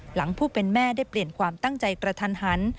หลังผู้เป็นแม่ได้เปลี่ยนความตั้งใจกระทันหัน